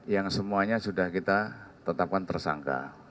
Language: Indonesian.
yang semuanya sudah kita tetapkan tersangka